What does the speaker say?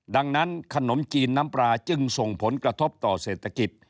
ดังนั้นขนมจีนน้ำปลาจึงส่งผลกระทบต่อเศรษฐกิจ